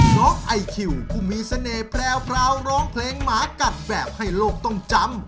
น้องไอคิวผู้มีเสน่ห์แพรวร้องเพลงหมากัดแบบให้โลกต้องจำ